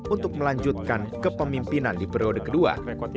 untuk melanjutkan kepemimpinan di periode kedua